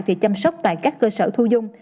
thì chăm sóc tại các cơ sở thu dung